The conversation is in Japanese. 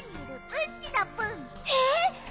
えっ！